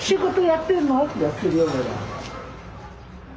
やってるよまだ。